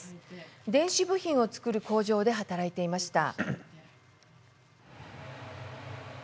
電子部品を作る工場で働いていました。